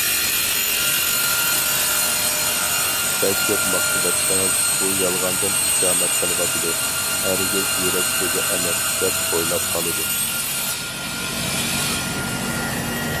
بەك كۆپ ماختىۋەتسىڭىز ئۇ يالغاندىن خۇشامەت قىلىۋاتىدۇ، ھەرگىز يۈرەك سۆزى ئەمەس، دەپ ئويلاپ قالىدۇ.